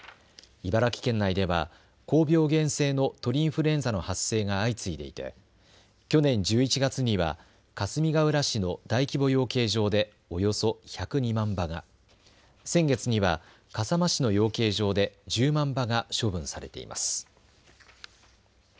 茨城県内では高病原性の鳥インフルエンザの発生が相次いでいて去年１１月にはかすみがうら市の大規模養鶏場でおよそ１０２万羽が、先月には笠間市の養鶏場で１０万羽が処分されています。